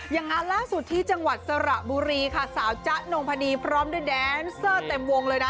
งานล่าสุดที่จังหวัดสระบุรีค่ะสาวจ๊ะนงพนีพร้อมด้วยแดนเซอร์เต็มวงเลยนะ